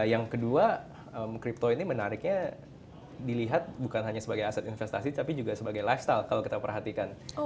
yang kedua crypto ini menariknya dilihat bukan hanya sebagai aset investasi tapi juga sebagai lifestyle kalau kita perhatikan